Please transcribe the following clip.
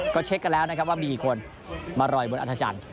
ก็เช็คกันแล้วว่ามีกี่คนมาลอยบนอัทธัจันทร์